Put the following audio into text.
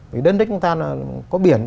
vì đến đây chúng ta có biển